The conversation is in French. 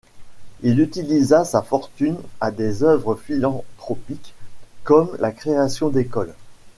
Il utilisa sa fortune à des œuvres philanthropiques comme la création d'écoles.